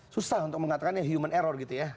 susah untuk mengatakan ya human error gitu ya